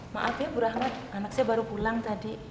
maaf ya bu rahmat anak saya baru pulang tadi